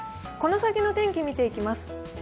この先の天気を見ていきます。